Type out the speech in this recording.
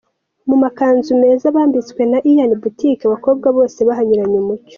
Mu makanzu meza bambitswe na Ian boutique, abakobwa bose bahanyuranye umucyo.